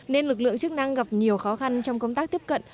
nên lực lượng chức năng gặp nhiều khó khăn trong công tác tiếp cận